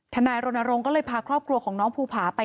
ทนายโรนโรงก็เลยพาครอบครัวของน้องภูผา